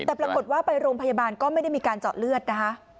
แต่ปรากฏว่าไปโรงพยาบาลก็ไม่ได้มีการเจาะเลือดนะคะ